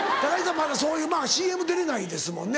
まだそういうＣＭ出れないですもんね。